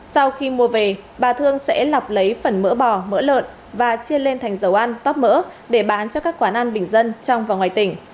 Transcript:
sau khi mua về bà thương sẽ lọc lấy phần mỡ bò mỡ lợn và chia lên thành dầu ăn tóp mỡ để bán cho các quán ăn bình dân trong và ngoài tỉnh